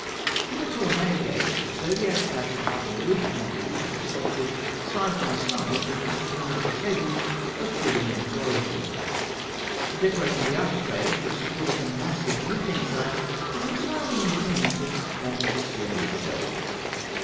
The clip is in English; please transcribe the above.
In the Ptolemaic age, zodiacs fashioned after Greek models were sculptured side by side with astronomical tables of purely native origin (fig. 105). The decoration of the architraves which supported the massive roofing slabs was entirely independent of that of the ceiling itself.